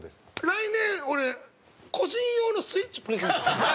来年俺個人用のスイッチプレゼントするわ。